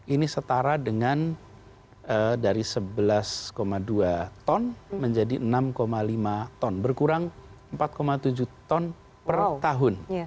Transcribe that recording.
ini setara dengan dari sebelas dua ton menjadi enam lima ton berkurang empat tujuh ton per tahun